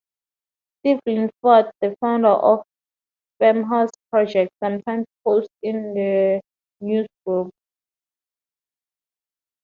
Steve Linford, the founder of The Spamhaus Project, sometimes posts in the newsgroup.